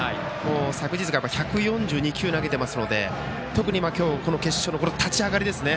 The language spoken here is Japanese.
昨日が１４２球投げてますので特に今日決勝の立ち上がりですね